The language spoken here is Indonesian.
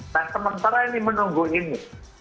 nah sementara ini menunggu ini